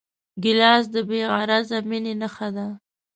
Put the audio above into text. ګیلاس د بېغرضه مینې نښه ده.